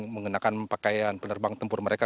mengenakan pakaian penerbang tempur mereka